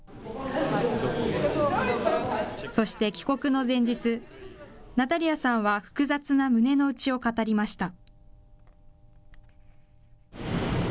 そして帰国の前日、ナタリアさんは複雑な胸の内を語りました。